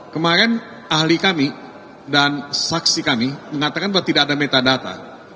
kemarin ahli kami dan saksi kami mengatakan bahwa tidak ada metadata